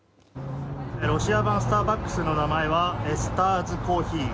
ロシア版スターバックスの名前はスターズ・コーヒー。